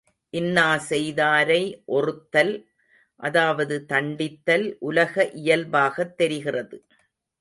இன்னா செய்தாரை ஒறுத்தல் அதாவது தண்டித்தல் உலக இயல்பாகத் தெரிகிறது.